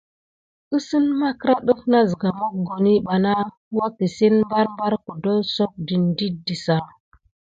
Kisin magra def siga mokoni vana wukisie barbar kedonsok detine di sika.